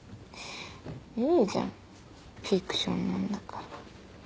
いいじゃんフィクションなんだから。